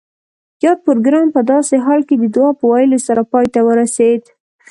یاد پروګرام پۀ داسې حال کې د دعا پۀ ویلو سره پای ته ورسید